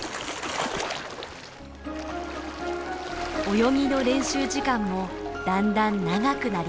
泳ぎの練習時間もだんだん長くなります。